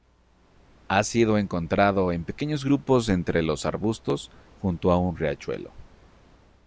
Ha sido encontrado en pequeños grupos entre los arbustos junto a un riachuelo.